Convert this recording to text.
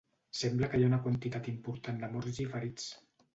Sembla que hi ha una quantitat important de morts i de ferits.